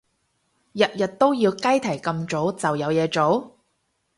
日日都要雞啼咁早就有嘢做？